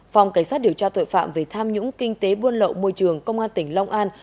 phòng cảnh sát điều tra tội phạm về tham nhũng kinh tế buôn lậu môi trường công an tỉnh long an